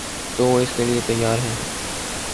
تو وہ اس کے لیے تیار ہیں